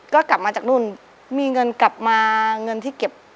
ก็กลับมาจากนู่นมีเงินกลับมาเงินที่เก็บ